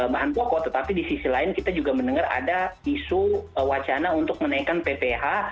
bahan pokok tetapi di sisi lain kita juga mendengar ada isu wacana untuk menaikkan pph